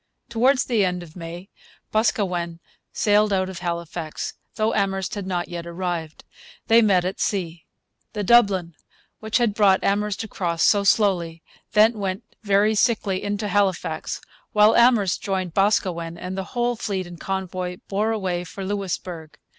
Towards the end of May Boscawen sailed out of Halifax, though Amherst had not yet arrived. They met at sea. The Dublin, which had brought Amherst across so slowly, then 'went very sickly into Halifax,' while Amherst joined Boscawen, and the whole fleet and convoy bore away for Louisbourg.